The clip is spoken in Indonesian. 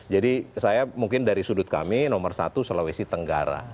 jadi saya mungkin dari sudut kami nomor satu sulawesi tenggara